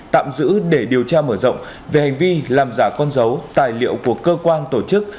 tạm giữ để điều tra mở rộng về hành vi làm giả con dấu tài liệu của cơ quan tổ chức